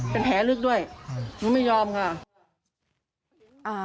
เป็นแผลลึกด้วยหนูไม่ยอมค่ะ